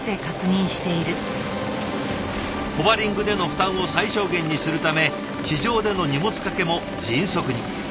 ホバリングでの負担を最小限にするため地上での荷物掛けも迅速に。